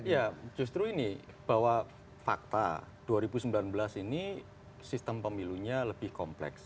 ya justru ini bahwa fakta dua ribu sembilan belas ini sistem pemilunya lebih kompleks